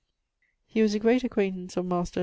He was a great acquaintance of Master